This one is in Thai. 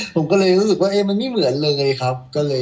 ผมก็เลยรู้สึกว่ามันไม่เหมือนเลยครับ